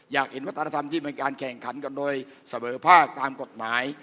อยากเห็นวัฒนธรรมที่เป็นการแข่งขันกันโดยเสมอภาคตามกฎหมาย